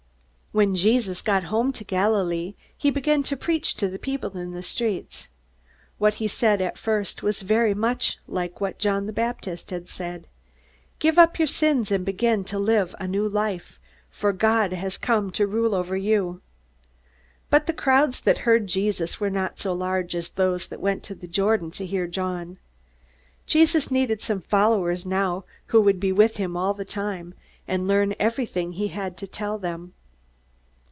When Jesus got home to Galilee, he began to preach to people in the streets. What he said at first was very much like what John the Baptist said: "Give up your sins, and begin to live a new life, for God has come to rule over you!" But the crowds that heard Jesus were not so large as those that went to the Jordan to hear John. Jesus needed some followers now who would be with him all the time, and learn everything he had to tell them.